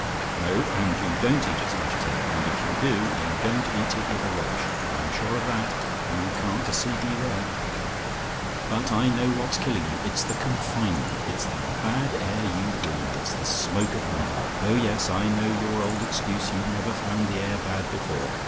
No, and you don't eat as much as ever: and if you do, you don't eat with a relish, I'm sure of that. You can't deceive me there. "But I know what's killing you. It's the confinement; it's the bad air you breathe; it's the smoke of London. Oh yes, I know your old excuse: you never found the air bad before.